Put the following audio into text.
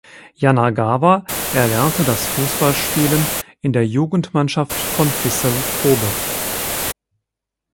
Yanagawa erlernte das Fußballspielen in der Jugendmannschaft von Vissel Kobe.